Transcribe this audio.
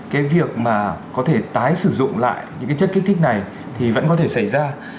cái việc mà có thể tái sử dụng lại những cái chất kích thích này thì vẫn có thể xảy ra